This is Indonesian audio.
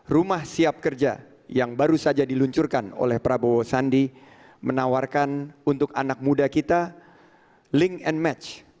rumah siap kerja yang baru saja diluncurkan oleh prabowo sandi menawarkan untuk anak muda kita link and match